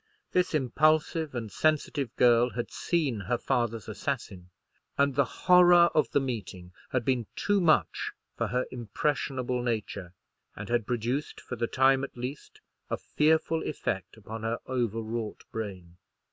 This impulsive and sensitive girl had seen her father's assassin: and the horror of the meeting had been too much for her impressionable nature, and had produced, for the time at least, a fearful effect upon her over wrought brain.